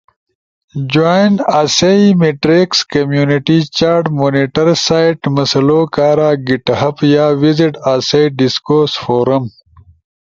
جوائن آسئی میٹریکس کمیونٹی چاٹ مونیٹر سائیڈ مسلؤ کارا گیٹ ہب یا ویزٹ آسئی ڈیسکورس فورم